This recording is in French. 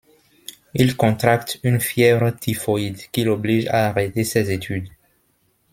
Il contracte une fièvre typhoïde qui l'oblige à arrêter ses études.